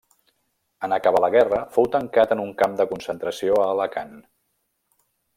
En acabar la guerra fou tancat en un camp de concentració a Alacant.